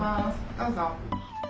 どうぞ。